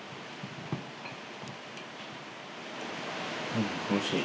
うんおいしい。